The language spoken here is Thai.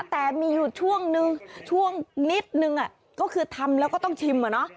แต่มีอยู่ช่วงนึงช่วงนิดนึงก็คือทำแล้วก็ต้องชิม